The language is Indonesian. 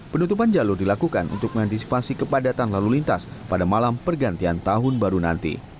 penutupan jalur dilakukan untuk mengantisipasi kepadatan lalu lintas pada malam pergantian tahun baru nanti